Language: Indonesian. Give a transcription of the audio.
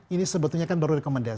ini sebetulnya kan baru rekomendasi